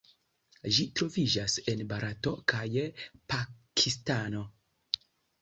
Ĝi troviĝas en Barato kaj Pakistano.